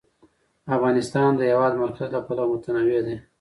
افغانستان د د هېواد مرکز له پلوه متنوع دی.